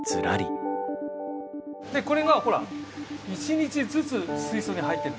でこれがほら１日ずつ水槽に入ってる。